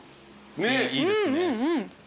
ねっいいですね。